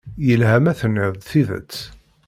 Yelha ma tenniḍ-d tidet.